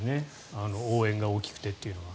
応援が大きくてというのは。